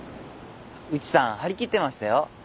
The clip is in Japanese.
内さん張り切ってましたよ。